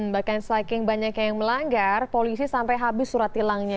bahkan saking banyaknya yang melanggar polisi sampai habis surat tilangnya